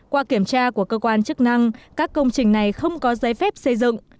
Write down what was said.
qua kiểm tra của cơ quan chức năng các công trình này không có giấy phép xây dựng